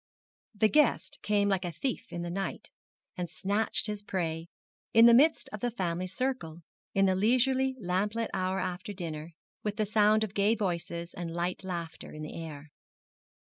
The guest came like a thief in the night, and snatched his prey, in the midst of the family circle, in the leisurely lamplit hour after dinner, with the sound of gay voices and light laughter in the air.